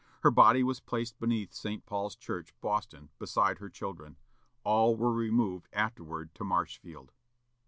Her body was placed beneath St. Paul's Church, Boston, beside her children. All were removed afterward to Marshfield.